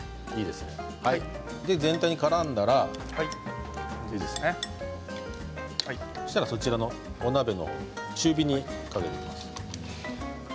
で、全体にからんだらそしたら、そちらのお鍋の方中火にかけていきます。